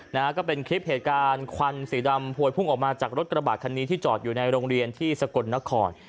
นะฮะก็เป็นคลิปเหตุการณ์ควันสีดำพวยพุ่งออกมาจากรถกระบาดคันนี้ที่จอดอยู่ในโรงเรียนที่สกลนคร